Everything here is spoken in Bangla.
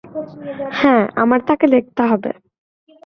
হ্যাঁ, আমার তাকে দেখতে হবে।